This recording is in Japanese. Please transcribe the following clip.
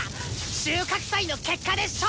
収穫祭の結果で勝負だ！